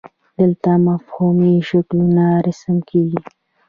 دلته مفهومي شکلونه رسم کیږي.